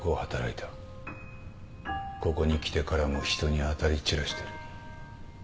ここに来てからも人に当たり散らしてる。